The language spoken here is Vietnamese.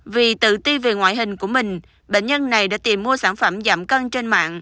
vì tự ti về ngoại hình của mình bệnh nhân này đã tìm mua sản phẩm giảm cân trên mạng